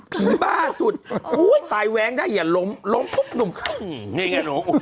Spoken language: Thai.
บ้าสุดอุ้ยตายแว้งได้อย่าล้มล้มปุ๊บหนุ่มขึ้นนี่ไงหนู